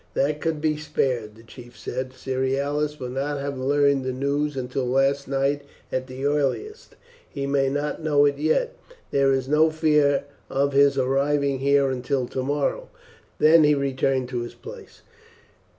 "That could be spared," the chief said. "Cerealis will not have learned the news until last night at the earliest he may not know it yet. There is no fear of his arriving here until tomorrow." Then he returned to his place.